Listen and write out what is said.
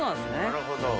なるほど。